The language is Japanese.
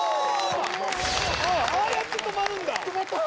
・ああやって止まるんだ止まった！